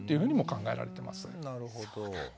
なるほど。